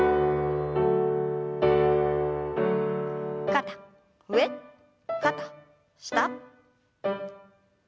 肩上肩下。